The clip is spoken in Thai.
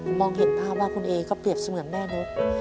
ผมมองเห็นภาพว่าคุณเอก็เปรียบเสมือนแม่นก